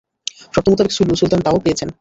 শর্ত মোতাবেক সুলু সুলতান তা পেয়েছেনও।